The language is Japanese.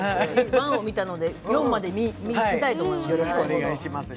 １を見たので４も見たいと思います。